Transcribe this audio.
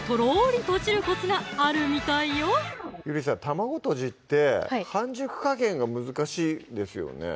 卵とじって半熟加減が難しいですよね